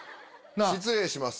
失礼します。